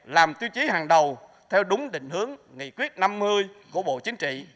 làm tiêu chí hàng đầu theo đúng định hướng nghị quyết năm mươi của bộ chính trị